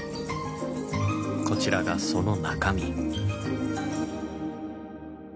こちらがその中身。